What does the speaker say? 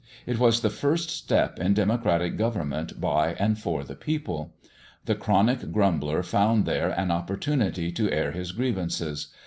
It was the first step in democratic government by and for the people. The chronic grumbler found there an opportunity to air his grievances.